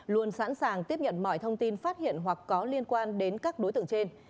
luôn sẵn sàng tiếp nhận mọi thông tin phát hiện hoặc có liên quan đến các đối tượng trên